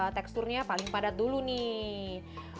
teksturnya paling padat dulu nih